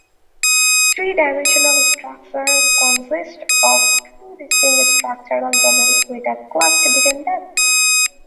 Its three-dimensional structure consists of two distinct structural domains with a cleft between them.